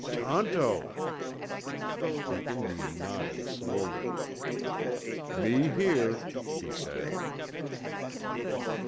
"Tonto!" The Indian nodded slowly. "Me here," he said.